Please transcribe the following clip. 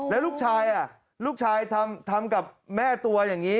แล้วลูกชายลูกชายทำกับแม่ตัวอย่างนี้